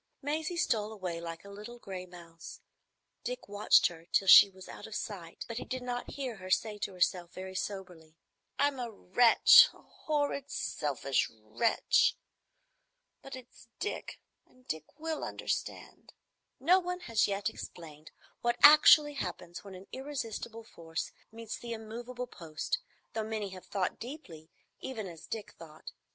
Maisie stole away like a little gray mouse. Dick watched her till she was out of sight, but he did not hear her say to herself, very soberly, "I'm a wretch,—a horrid, selfish wretch. But it's Dick, and Dick will understand." No one has yet explained what actually happens when an irresistible force meets the immovable post, though many have thought deeply, even as Dick thought.